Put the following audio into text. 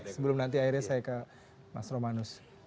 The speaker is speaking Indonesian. sebelum nanti akhirnya saya ke mas romanus